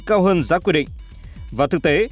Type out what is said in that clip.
cao hơn giá quy định và thực tế